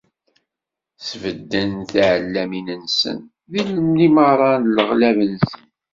Sbedden tiɛellamin-nsen, d limaṛa n leɣlab-nsen.